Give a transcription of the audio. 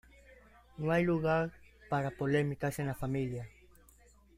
No hay lugar para polémicas en la familia.